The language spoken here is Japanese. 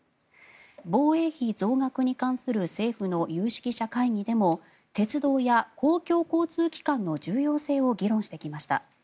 防衛費増額に関する政府の有識者会議でも鉄道や公共交通機関の重要性を議論してきました。